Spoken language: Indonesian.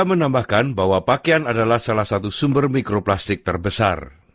menambahkan bahwa pakaian adalah salah satu sumber mikroplastik terbesar